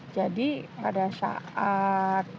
jadi pada saat